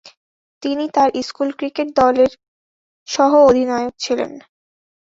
তিনি তার school cricket দলের সহ-অধিনায়ক ছিলেন।